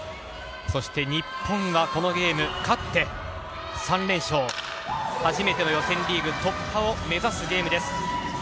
日本がこのゲーム勝って３連勝、初めての予選リーグ突破を目指すゲームです。